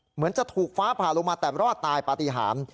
เหมือนจะถูกฟ้าผ่าลงมาแต่รอดตายปฏิหาร